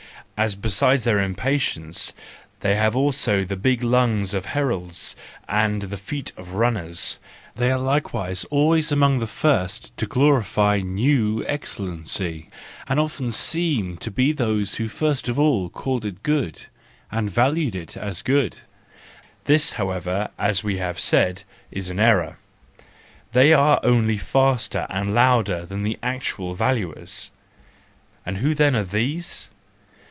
As besides their impatience, they have also the big lungs of heralds and the feet of runners, they are likewise always among the first to glorify the new excellency, and often' seem to be those who first of all called it good and valued it as good. THE JOYFUL WISDOM, II 121 This, however, as we have said, is an error ; they are only faster and louder than the actual valuers:— And who then are these?